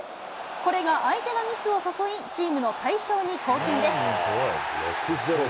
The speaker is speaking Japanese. これが相手のミスを誘い、チームの大勝に貢献です。